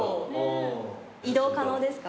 移動可能ですか？